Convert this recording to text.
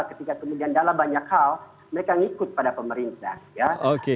ketika kemudian dalam banyak hal mereka ngikut pada pemerintah